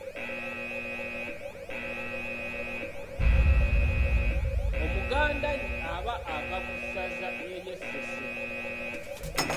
Omugandannyi aba ava mu ssaza ery’e Ssese.